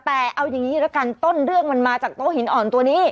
แต่เอาอย่างนี้ละกันต้นเรื่องมันมาจากโต๊ะหินอ่อนตัวนี้